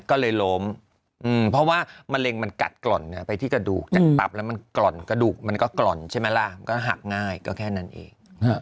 ก็เลยล้มเพราะว่ามะเร็งมันกัดกร่อนไปที่กระดูกจากตับแล้วมันกร่อนกระดูกมันก็กล่อนใช่ไหมล่ะมันก็หักง่ายก็แค่นั้นเอง